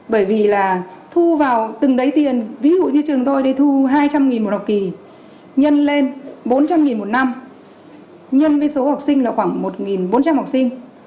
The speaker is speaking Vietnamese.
bởi vì là thu vào từng đấy tiền ví dụ như trường tôi đi thu hai trăm linh một học kỳ nhân lên bốn trăm linh một năm nhân với số học sinh là khoảng một bốn trăm linh học sinh